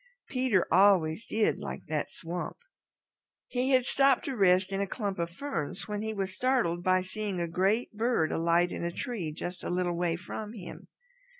Peter always did like that swamp. He had stopped to rest in a clump of ferns when he was startled by seeing a great bird alight in a tree just a little way from him.